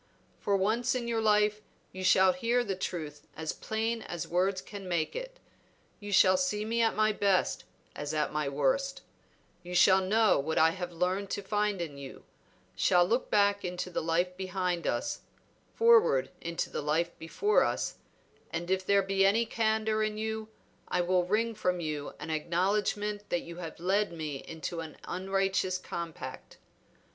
For once in your life you shall hear the truth as plain as words can make it. You shall see me at my best as at my worst; you shall know what I have learned to find in you; shall look back into the life behind us, forward into the life before us, and if there be any candor in you I will wring from you an acknowledgment that you have led me into an unrighteous compact.